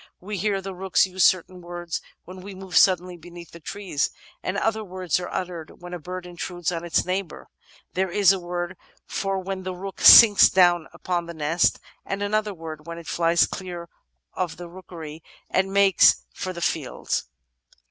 We hear the rooks use certain words when we move suddenly beneath the trees, and other words are uttered when a bird intrudes on its neighbour; there is a word when the rook sinks down upon the nest, and another word when it flies clear of the rookery and makes for the fields.